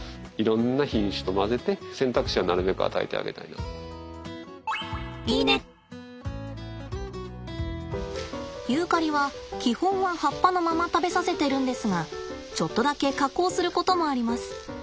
野生の動物ですからユーカリは基本は葉っぱのまま食べさせてるんですがちょっとだけ加工することもあります。